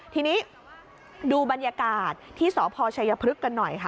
ทีนี้ดูบรรยากาศที่สพชัยพฤกษ์กันหน่อยค่ะ